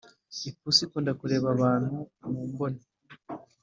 Ipusi ikunda kureba abantu mu mbone